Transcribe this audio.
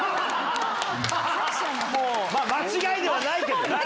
間違いではないけどな。